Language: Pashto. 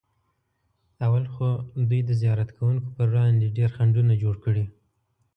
اول خو دوی د زیارت کوونکو پر وړاندې ډېر خنډونه جوړ کړي.